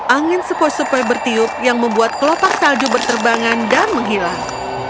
angin sepoi sepoi bertiup yang membuat kelopak salju berterbangan dan menghilang